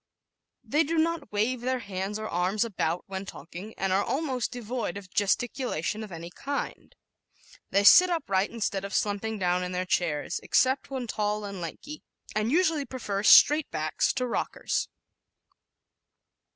They do not wave their hands or arms about when talking and are almost devoid of gesticulation of any kind. They sit upright instead of slumping down in their chairs, except when tall and lanky, and usually prefer "straight backs" to rockers.